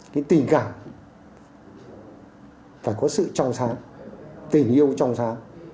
cái tình cảm phải có sự trong sáng tình yêu trong sáng